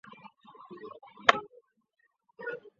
当然有效！